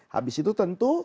habis itu tentu